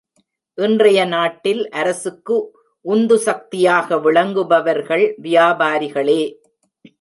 இன்றைய நாட்டில் அரசுக்கு உந்துசக்தியாக விளங்குபவர்கள் வியாபாரிகளே!